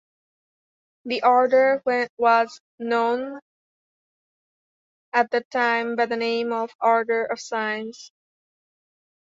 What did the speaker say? The order was known at that time by the name of ""Order of Science"".